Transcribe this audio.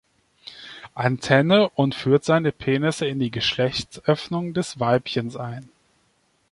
Antenne und führt seine Penisse in die Geschlechtsöffnung des Weibchens ein.